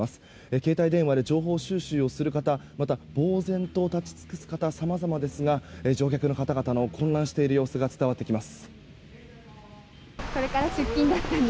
携帯電話で情報収集をする方また、ぼうぜんと立ち尽くす方さまざまですが乗客の方々の混乱している様子が伝わってきます。